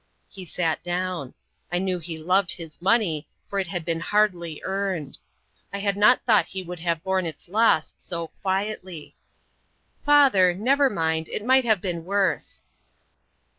He sat down. I knew he loved his money, for it had been hardly earned. I had not thought he would have borne its loss so quietly. "Father, never mind; it might have been worse."